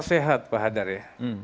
sehat pak hadar ya